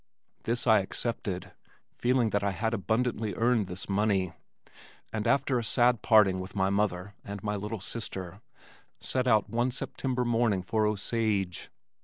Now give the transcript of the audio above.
This I accepted, feeling that I had abundantly earned this money, and after a sad parting with my mother and my little sister, set out one September morning for Osage.